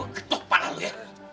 harus gue ketuk pala lu ya